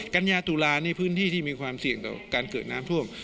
กัญญาตุลานี่พื้นที่ที่มีความเสี่ยงต่อการเกิดน้ำท่วม